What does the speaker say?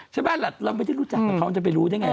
ใช่ไหมเราไม่ได้รู้จักแต่เขาจะไปรู้ได้ไง